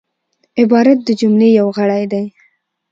عبارت د جملې یو غړی دئ.